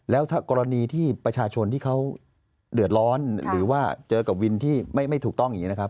แล้วถ้ากรณีที่ประชาชนที่เขาเดือดร้อนหรือว่าเจอกับวินที่ไม่ถูกต้องอย่างนี้นะครับ